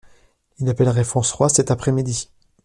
Il appellerait François cet après-midi.